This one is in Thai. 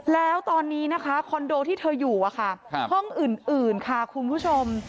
แล้วตอนนี้นะคะคอนโดที่เธออยู่ห้องอื่นค่ะคุณผู้ชม